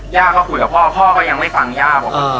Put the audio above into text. ย่าก็คุยกับพ่อพ่อก็ยังไม่ฟังย่าบอกว่า